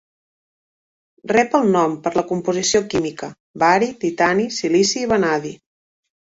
Rep el nom per la composició química: bari, titani, silici i vanadi.